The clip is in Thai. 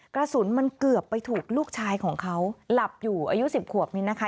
กระสุนมันเกือบไปถูกลูกชายของเขาหลับอยู่อายุ๑๐ขวบนี้นะคะ